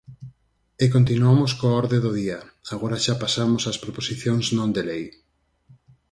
E continuamos coa orde do día, agora xa pasamos ás proposicións non de lei.